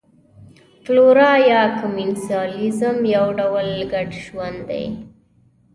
فلورا یا کمېنسالیزم یو ډول ګډ ژوند دی.